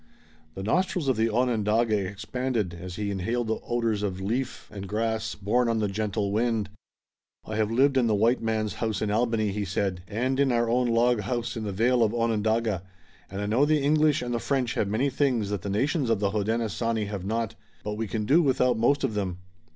The nostrils of the Onondaga expanded, as he inhaled the odors of leaf and grass, borne on the gentle wind. "I have lived in the white man's house in Albany," he said, "and in our own log house in the vale of Onondaga, and I know the English and the French have many things that the nations of the Hodenosaunee have not, but we can do without most of them.